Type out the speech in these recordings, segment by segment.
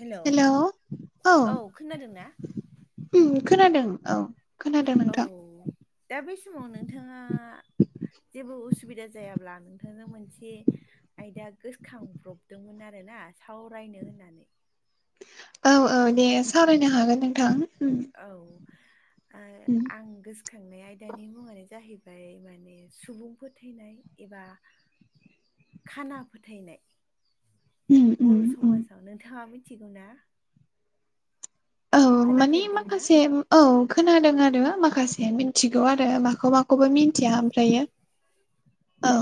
हेल' hello औ खोनादों ना? उम खोनादों औ खोनादों औ नोंथां दा बै समाव नोंथाङा जेबो उसुबिदा जायाब्ला नोंथांनो मोनसे आयदा गोसोखांब्रबदोंमोन आरो ना सावरायनो होननानै ‌। औ औ दे सावरायनो हागोन नोंथां उम औ उम आं गोसो खांनाय आयदानि मुङानो जाहैबाय माने सुबुं फोथायनाय एबा खाना फोथायनाय उम उम बर' उम समाजाव नोंथाङा मिथिगौ ना? औ मानि खोनाफेरदोंना? माखासे औ खोनादों आरो माखासे मिथिगौ आरो माखौबा माखौबा मिथिया ओमफ्रायो औ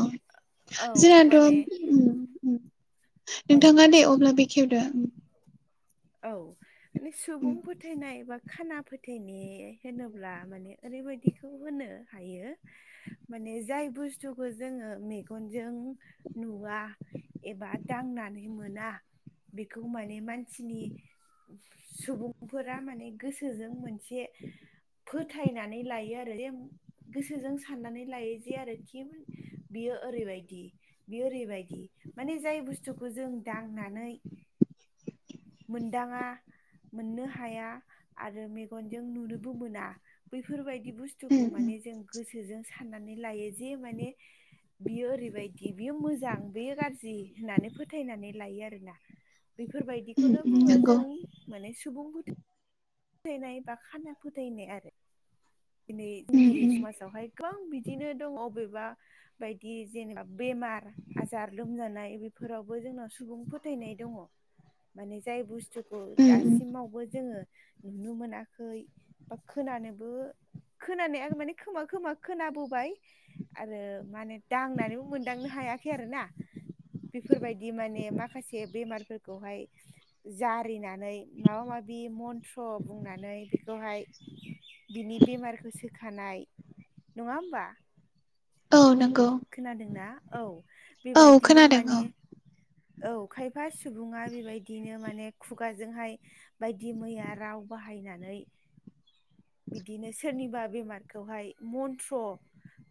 औ माने जोंनाथ' उम औ नोंथाङा दे अब्ला बेखेवदो। औ माने सुबुं फोथायनाय बा खाना फोथानाय होनोब्ला माने ओरैबायदिखौ होनो हायो माने जाय बुस्थुखौ जोङो मेगनजों नुवा एबा दांनानै मोना बेखौ माने मानसिनि सुबुंफोरा माने गोसोजों मोनसे फोथायनानै लायो आरो जे गोसोजों साननानै लायो जे आरो खि बियो ओरैबायदि बियो ओरैबायदि माने जाय बुस्थुखौ जों दांनानै मोनदाङा मोननो हाया आरो मेगनजों नुनोबो मोना बैफोरबायदि बुस उम थुखौ उम माने जों गोसोजों साननानै लायो जे माने बियो ओरैबायदि बियो मोजां बेयो गाज्रि होननानै फोथायनानै लायो आरोना। उम बेफोरबायदिखौनो उम बुङो नंगौ जों माने सुबुं फो फोथायनाय बा खाना फोथायनाय आरो। दिनै उम जोंनि उम समाजावहाय गोबां बिदिनो दं अबेबा बायदि जेनेबा बेमार आजार लोमजानाय बेफोरावबो जोंनाव सुबुं फोथायनाय दङ माने जाय बुस थुखौ उम उम दासिमावबो जोङो नुनो मोनाखै बा खोनानोबो खोनानाया माने खोमा खोमा खोनाबोबाय। आरो माने दांनानैबो मोनदांनो हायाखै आरोना। बेफोरबायदि माने माखासे बेमारफोरखौहाय जारिनानै माबा माबि मन्थ्र बुंनानै बेखौहाय बिनि बेमारखौ सोखानाय नङा होमबा? औ नोंगौ। खोनादोंना औ बेबायदिनो खोनादों माने औ औ खायफा सुबुङा बेबायदिनो माने खुगाजोंहाय बायदि मैया राव बाहायनानै बिदिनो सोरनिबा बेमारखौहाय मन्त्र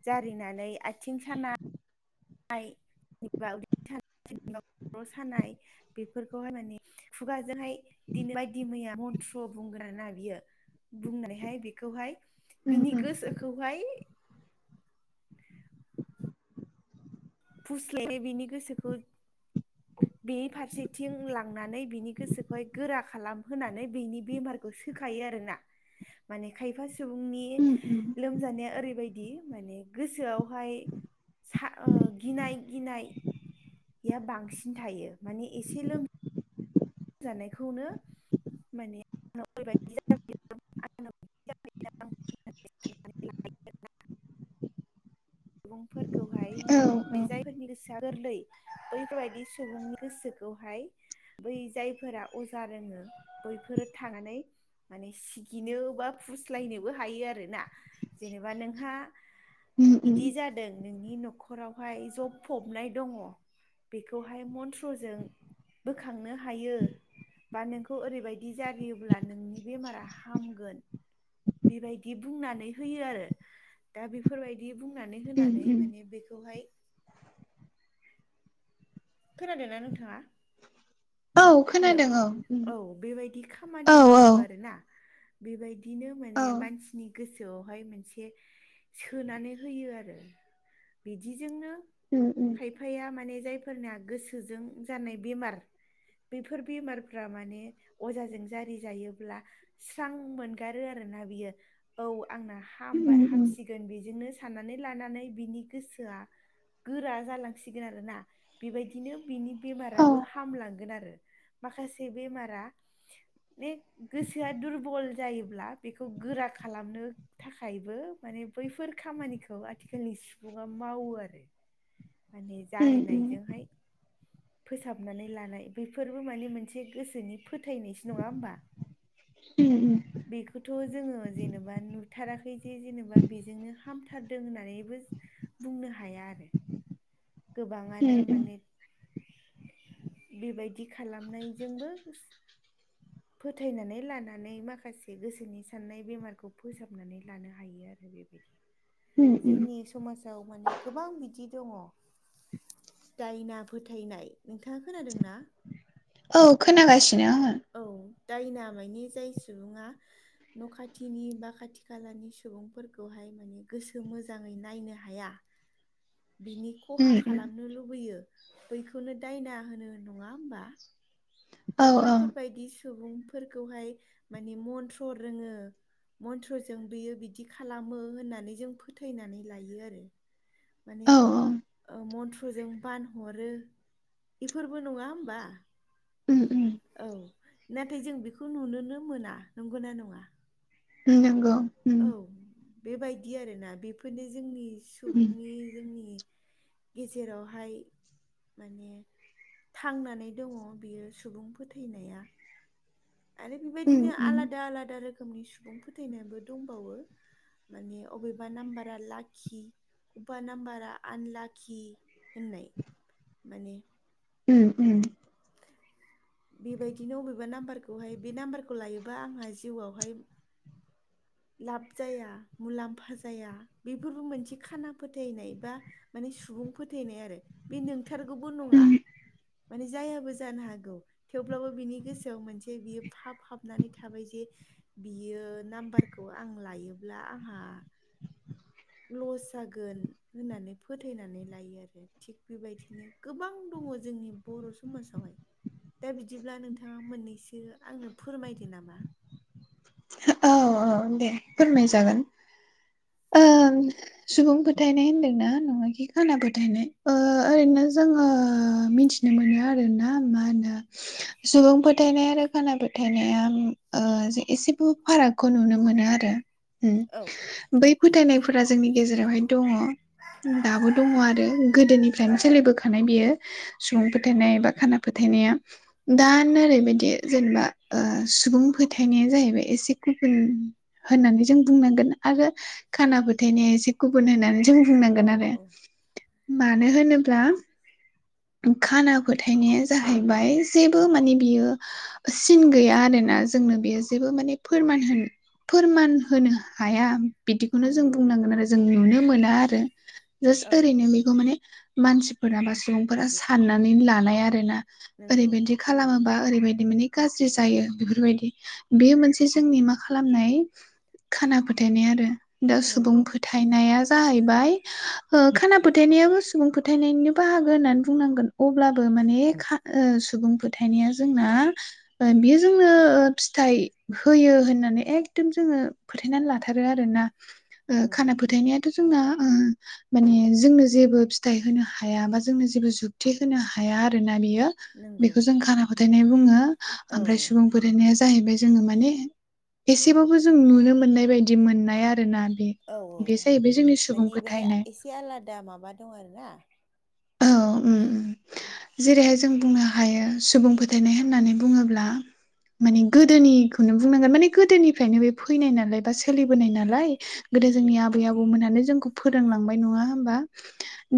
जारिनानै आथिं सानाय सोरनिबा उदै सानाय सोरनिबा खर' सानाय बेफोरखौहाय माने खुगाजोंहाय बिदिनो बायदि मैया मन्त्र बुंगोन आरो ना बियो बुंनानैहाय बेखौहाय उम बिनि उम गोसोखौहाय फुस्लायनाय बिनि गोसोखौ बेनि फारसेथिं लांनानै बिनि गोसोखौहाय गोरा खालामहोनानै बेनि बेमारखौ सोखायो आरो ना माने खायफा सुबुंनि उम उम लोमजानाया ओरैबायदि माने गोसोआवहाय सा ओ गिनाय गिनाय बेया बांसिन थायो माने एसे लोम जानायखौनो मानेबाय [unintelligible] होननानै साननानै औ सुबुंफोरखौहायनो नायजाय फोरनि गोसोआ गोरलै बैफोरबायदि सुबुंनि गोसोखौहाय बै जायफोरा अजा रोङो बैफोर थानानै माने सिगिनो बा फुस्लायनोबो हायो आरो ना जेनेबा नोंहा उम उम बिदि जादों नोंनि न'खरावहाय जब फबनाय दङ बेखौहाय मन्त्रजों बोखांनो हायो बा नोंखौ ओरैबायदि जारियोब्ला नोंनि बेमारा हामगोन बेबायदि बुंनानै होयो आरो दा बेफोरबायदि बुंनानै होनानै उम माने बेखौहाय खोनादों ना नोंथाङा? औ हेलौ खोनादों औ उम औ बेबायदि औ खामानि औ मावो आरोना बेबायदिनो औ माने मानसिनि गोसोआवहाय मोनसे सोनानै होयो आरो बिदिजोंनो ओम ओम खायफाया माने जायफोरना गोसोजों जानाय बेमार बेफोर बेमारफ्रा माने अजाजों जारि जायोब्ला स्रां मोनगारो आरोना बियो औ आंना हामबाय उम उम हामसि सिगोन बेजोंनो साननानै लानानै बिनि गोसोआ गोरा जालांसिगोन आरोना बेबायदिनो बिनि औ बेमाराबो हामलांगोन आरो माखासे बेमारा बे गोसोआ दुरबल जायोब्ला बेखौ गोरा खालामनो थाखायबो माने बैफोर खामानिखौ आथिखालनि सुबुङा मावो आरो माने उम उम जारिनायजोंहाय फोसाबनानै लानाय बेफोरबो माने मोनसे गोसोनि फोथायनायसो नङा होमबा उम बेखौथ' जोङो जेनेबा नुथाराखै जे जेनेबा बेजोंनो हामथारदों होननानैबो बुंनो हाया आरो गोबाङानो उम उम माने बेबायदि खालामनायजोंबो [inaudible] फोथायनानै लानानै माखासे गोसोनि साननाय बेमारखौ फोसाबनानै लानो हायो आरो बेबायदि उम उम जोंनि समाजाव माने गोबां बिदि दङ दायना फोथायनाय नोंथाङा खोनादों ना औ खोनागासिनो आङो औ दायना मानि जाय सुबुङा न' खाथिनि बा खाथि खालानि सुबुंफोरखौहाय माने गोसो मोजाङै नायनो हाया [inaudible] बिनि खहा उम उम खालामनो लुबैयो बैखौनो दायना होनो नङा होमबा औ दा औ बैफोरबायदि सुबुंफोरखौहाय माने मन्थ्र रोङो मन्त्रजों बियो बिदि खालामो होननानै जों फोथायनानै लायो आरो माने औ औ ओ मन्थ्रजों बानहरो बेफोरबो नङा होमबा उम उम औ नाथाय जों बेखौ नुनोनो मोना नंगौ ना नङा नंगौ उम औ बेबायदि आरोना बेफोरनो जोंनि उम सुबुंनि जोंनि गेजेरावहाय माने थांनानै दङ बियो सुबुं फोथायनाया आरो उम बेबायदिनो आलादा आलादा रोखोमनि सुबुं फोथायनायाबो दंबावो माने अबेबा नाम्बारा लाखि बबेबा नाम्बारा आनलाखि होननाय माने उम उम बेबायदिनो अबेबा नामबारखौहाय बे नामबारखौ लायोबा आंहा जिउआवहाय लाब जाया मुलामफा जाया बेफोरबो मोनसे खाना फोथायनाय बा माने सुबुं फोथायनाय आरो बे नोंथारगौबो नङा उम माने जायाबो जानो हागौ थेवब्लाबो बिनि गोसोआव मोनसे बियो फाब हाबनानै थाबाय जे बियो नामबार खौ आं लायोब्ला आंहा लस जागोन होननानै फोथायनानै लायो आरो थिग बेबायदिनो गोबां दङ जोंनि बर' समाजावहाय दा बिदिब्ला नोंथाङा मोननैसो आंनो फोरमायदो नामा औ औं दे फोरमाय जागोन ओं सुबुं फोथायनाय होनदोंना नङाखि खाना फोथायनाय ओ ओरैनो जोङो मिथि नो मोनो आरोना मा होनो सुबुं फोथायनाय आरो खाना फोथायनाया ओ एसे फारागखौ नुनो मोनो आरो औ उम बै फोथायनायफोरा जोंनि गेजेरावहाय दङ दाबो दङ आरो गोदोनिफ्रायनो सोलिबोखानाय बियो सुबुं फोथायनाय बा खाना फोथायनाया दानो ओरैबायदि जेनेबा सुबुं फोथायनाया जाहैबाय एसे गुबुन होननानै जों बुंनांगोन आरो खाना फोथायनाया एसे गुबुन होननानै जों औ बुंनांगोन आरो औ मानो होनोब्ला खाना फोथायनाया जाहैबाय जेबो माने बियो सिन गैया आरोना जोंनो बेयो जेबो माने फोरमान होनो फोरमान होनो हाया बिदिखौनो जों नंगौ बुंनांगोन आरो जों नुनो मोना आरो औ जास्ट ओरैनो माने मानसिफोरा बा सुबुंफोरा साननानै लानाय आरोना नंगौ ओरैबायदि खालामोबा ओरैबायदि माने गाज्रि जायो बेफोरबायदि बे मोनसे जोंनि मा खालामनाय खाना फोथायनाय आरो दा सुबुं नंगौ थायनाया जाहैबाय ओ खाना फोथायनायाबो सुबुं फोथायनिनो बाहागो होननानै बुंनांगोन अब्लाबो माने सुबुं फोथायनाया जोंना बियो जोंनो फिथाइ होयो होननानै एखदम जोङो फोथायनानै लाथारो आरोना ओ नंगौ खाना फोथायनाया जोंना ओ माने जोंनो जेबो फिथाय होनो हाया बा जोंनो जेबो जुखथि होनो हाया आरोना बियो नंगौ बेखौ जों खाना फोथायनाय बुङो औ अमफ्राय सुबुं फोथायनाया जाहैबाय जोङो माने एसेबाबो जों नुनो मोननाय बायदि मोननाय आरोना बे औ बे जाहैबाय जोंनि सुबुं माने बेहाय फोथायनाय एसे आलादा माबा दं आरोना औ ओम ओम जेरैहाय जों बुंनो हायो सुबुं फोथायनाय होननानै बुङोब्ला माने गोदोनिखौनो बुंनांगोन माने गोदोनिफ्रायनो बे फैनाय नालाय बा सोलिबोनाय नालाय गोदो नंगौ जोंनि आबै-आबौमोनहानो जोंखौ फोरोंलांबाय नङा होमबा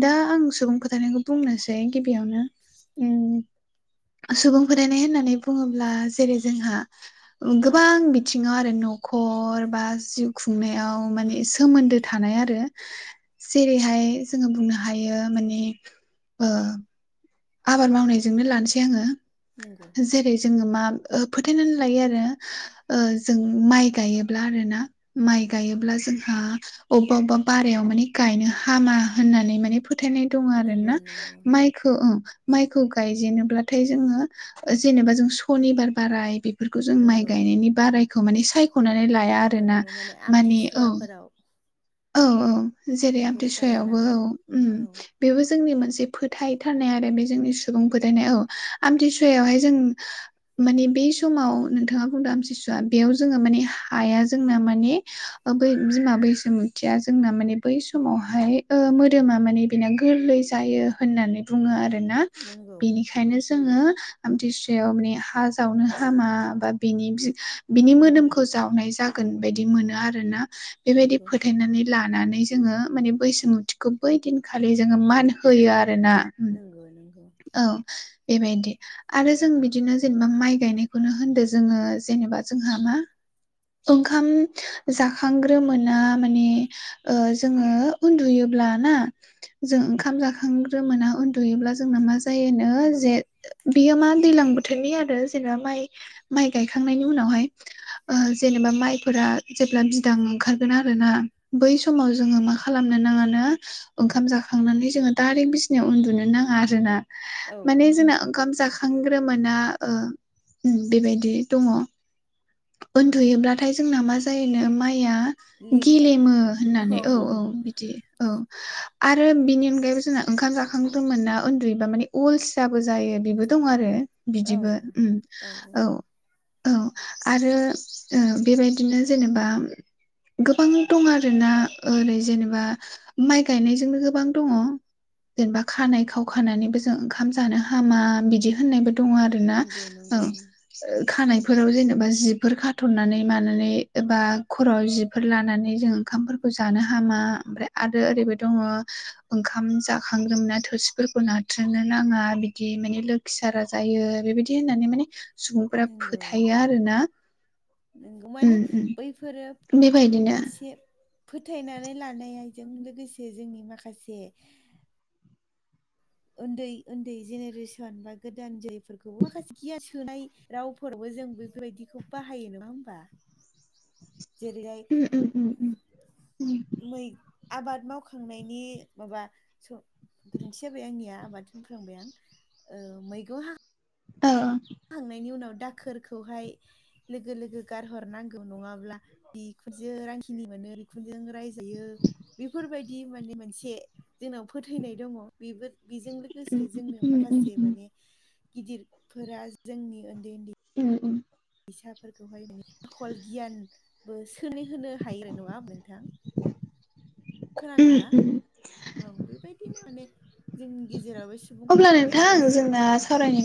दा आं सुबुं खोथानायखौ बुंनोसै गिबियावनो ओम ओ सुबुं फथायनाय होननानै बुङोब्ला जेरै जोंहा ओ गोबां बिथिङाव आरो न' खर बा जिउ खुंनायाव माने सोमोनदो थानाय आरो। जेरैहाय जोङो बुंनो हायो माने ओ आबाद मावनायजोंनो लानोसै आङो नंगौ। जेरै जोङो मा ओ फोथायनानै लायो आरो। ओ जों माइ गायोब्ला आरोना माइ गायोब्ला जोंहा अबेबा अबेबा बारायाव माने गायनो हामा होननानै माने फोथायनाय दङ' नंगौ आरोना नंगौ माइ खो ओ माइखौ गायजेनोब्लाथाय जोङो ओ जेनेबा जों सनिबार बाराय बेफोरखौ जों माइ नंगौ गायनायनि बारायखौ माने सायख'नानै लाया नंगौ आरोना नंगौ माने औ। आमथिसुवाफोरावबो औ औ जेरै आमते गाया सुवायावबो औ नालाय उम। औ बेबो जोंनि मोनसे फोथायथारनाय आरो बे जोंनि सुबुं फोदायनाय औ आमथि सुवायावहाय जों मानि बे समाव नोंथाङा बुंदों आमथिसुवा बेयाव जोङो माने हाया जोंना माने बै बिमा बैसोमु थिया जोंना माने बै समावहाय ओ मोदोमा माने बेना गोरलै जायो होननानै बुङो आरो नों ना नंगौ बेनिखायनो जोङो आमथिसुवायाव माने हा जावनो हामा बा बिनि बिनि मोदोमखौ जावनाय जागो गोन बायदि मोनो आरो ना। बेबायदि नंगौ फोथायनानै लानानै जोङो माने बैसोमुथिखौ बै दिनखालि जोङो मान होयो आरोना। औ नंगौ। औ बेबायदि आरो जों बिदिनो जेनेबा माइ गायनायखौनो होनदो जोङो जेनेबा जोंहा मा ओंखाम जाखांग्रो मोना माने ओ जोङो उनदुयोब्लाना जों ओंखाम जाखांग्रोमोना उनदुयोब्ला जोंना मा जायोनो जे बियो मा दैलां बोथोरनि आरो जेनेबा माइ माइ गायखांनायनि उनावहाय ओ जेनेबा माइफोरा जेब्ला बिदां ओंखारगोन आरो ना। बै समाव जोङो मा खालामनो नाङानो ओंखाम जाखांनानै जोङो डाइरेक्ट बिसिनायाव उन्दुनो नाङा आरोना औ माने जोंना ओंखाम जाखां खांग्रोमोना ओ उम बेबायदि दङ' औ उन्दुयोब्ला नाथाय जोंना मा जायोनो माइया लेमो गेलेमो होननानै औ औ बिदि औ आरो बेनि अनगायैबो जोंना ओंखाम जाखांग्रोमोना ओनदुयोबा माने अलसियाबो जायो बेबो दं आरो औ बिदिबो उम औ। औ आरो ओ बेबायदिनो जेनेबा गोबां दं आरोना ओरै जेनेबा माइ गायनायजोंनो गोबां दङ' जेनेबा खानाय खाव खानानैबो जों ओंखाम जानो हामा बिदि होननायबो दङ' आरोना नंगौ ओं। नंगौ ओ खानायफोराव जेनेबा जिफोर खाथ'नानै मानानै एबा खर'आव जिफोर लानानै जों ओंखामफोरखौ जानो हामा ओमफ्राय आरो ओरैबो दङ' ओंखाम जाखांग्रोमोना थोरसि फोरखौ नाथ्रोदनो नाङा बिदि माने लोखि सारा जायो बेबायदि होननानै माने सुबुंफोरा फोथायो आरो ना। नोंगौ माने बैफोरो बेबायदिनो मोनसे फोथायनानै लानायजों लोगोसे जोंनि माखासे उन्दै उन्दै जेनेरेसन बा गोदान जायफोरखौ माखासे गियान सोनाय रावफोरबो जों बेफोरबायदिखौ बाहायो नङा होमबा जेरैहाय उम उम उम उम मै आबाद मावखांनायनि माबा स गोरोन्थि जाबाय आंनिया आबाद होनफ्लांबाय आं औ मैगं हा औ खांनायनि उनाव दाखोरखौहाय लोगो लोगो गारहरनांगौ नङाब्ला बिखुनजो रांखिनि मोनो बिखुनजोजों रायजायो बिफोरबायदि माने मोनसे जोंनाव फोथायनाय दङ बेबो बिजों लोगोसे उम जोंनो उम उम माखासे उम माने गिदिरफोरा जोंनि ओन्दै ओन्दै उ उ फिसाफोरखौहाय आखल गियानबो सोलिहोनो हायो आरो नङा नोंथां ओ खोनादोंना ओ औ बेबायदिनो माने जोंनि गेजेरावबो सुबुं फोथायनाया दासिमबो सावरायनायनि